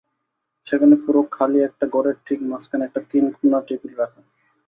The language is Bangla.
সেখানে পুরো খালি একটা ঘরের ঠিক মাঝখানে একটা তিন কোনা টেবিল রাখা।